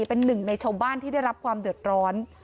เป็นหนึ่งในชาวบ้านที่ได้รับความเดือดร้อน